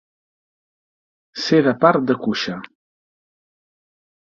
Ser de part de cuixa.